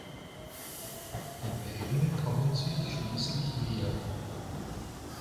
Die beiden kommen sich schließlich näher.